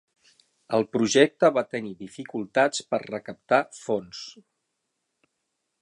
El projecte va tenir dificultats per recaptar fons.